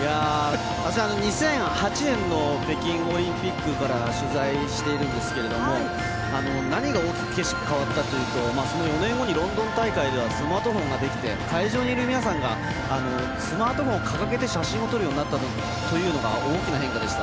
２００８年の北京オリンピックから取材しているんですが何が大きく景色変わったというと４年後にロンドン大会ではスマートフォンができて会場にいる皆さんがスマートフォンを掲げて写真を撮るようになったというのが大きな変化でした。